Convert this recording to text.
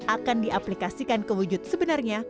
akan diaplikasikan kewujud sebenarnya